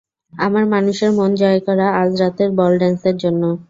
আমার মানুষের মন জয় করা আজ রাতের বল ড্যান্সের জন্য।